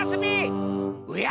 おや！